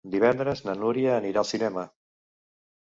Divendres na Núria anirà al cinema.